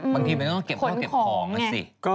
บางทีมันต้องเก็บข้าวเก็บของกันสิ